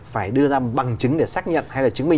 phải đưa ra bằng chứng để xác nhận hay là chứng minh